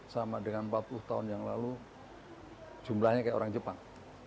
sama dengan empat puluh tahun yang lalu jumlahnya kayak orang jepang